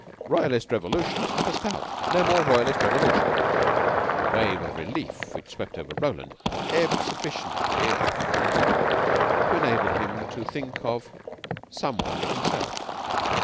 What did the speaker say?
Royalist revolution up the spout. No more royalist revolution." The wave of relief which swept over Roland ebbed sufficiently after an interval to enable him to think of some one but himself.